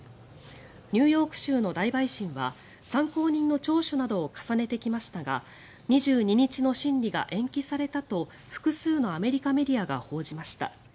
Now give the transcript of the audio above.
ニューヨーク州の大陪審は参考人の聴取などを重ねてきましたが２２日の審理が延期されたと複数のアメリカメディアが報じました。